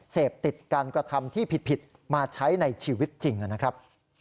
เสพติดการกระทำที่ผิดมาใช้ในชีวิตจริงนะครับ